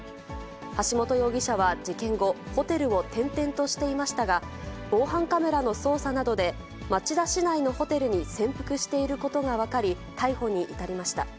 橋本容疑者は事件後、ホテルを転々としていましたが、防犯カメラの捜査などで、町田市内のホテルに潜伏していることが分かり、逮捕に至りました。